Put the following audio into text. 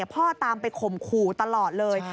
ตามไปข่มขู่ตลอดเลย